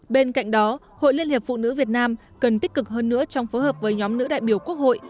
bên cạnh đó hội liên hiệp phụ nữ việt nam cần tích cực hơn nữa trong phối hợp với nhóm nữ đại biểu quốc hội